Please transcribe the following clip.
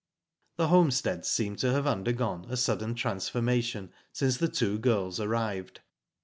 The homestead seemed to have under gone a sudden transformation since the two girls arrived.